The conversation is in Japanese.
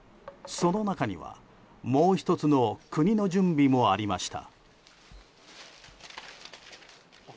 その中には、もう１つの国の準備もありました。